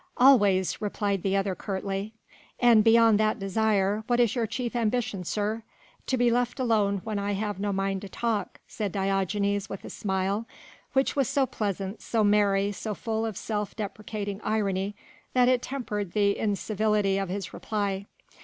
"Always," replied the other curtly. "And beyond that desire, what is your chief ambition, sir?" "To be left alone when I have no mind to talk," said Diogenes with a smile which was so pleasant, so merry, so full of self deprecating irony that it tempered the incivility of his reply.